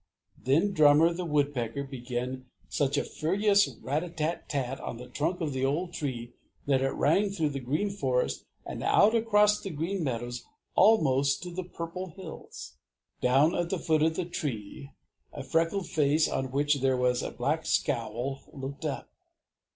Then Drummer the Woodpecker began such a furious rat a tat tat tat on the trunk of the old tree that it rang through the Green Forest and out across the Green Meadows almost to the Purple Hills. Down at the foot of the tree a freckled face on which there was a black scowl looked up.